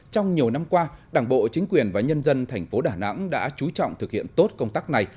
trong nhiều năm qua đảng bộ chính quyền và nhân dân thành phố đà nẵng đã chú trọng thực hiện tốt công tác này